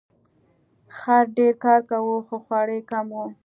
خر ډیر کار کاوه خو خواړه یې کم وو.